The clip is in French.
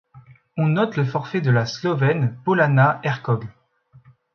On note le forfait de la Slovène Polona Hercog.